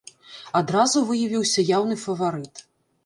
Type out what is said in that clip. Адразу выявіўся яўны фаварыт.